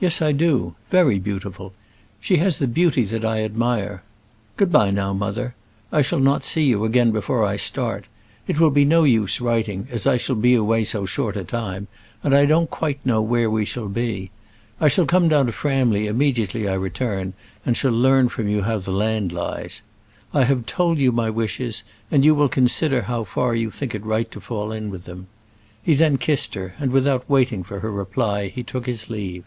"Yes, I do; very beautiful; she has the beauty that I admire. Good bye now, mother; I shall not see you again before I start. It will be no use writing, as I shall be away so short a time, and I don't quite know where we shall be. I shall come down to Framley immediately I return, and shall learn from you how the land lies. I have told you my wishes, and you will consider how far you think it right to fall in with them." He then kissed her, and without waiting for her reply he took his leave.